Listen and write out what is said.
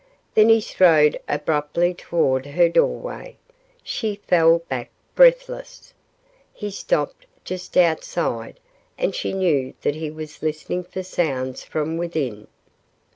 Then he strode abruptly toward her doorway. She fell back breathless. He stopped just outside, and she knew that he was listening for sounds from within.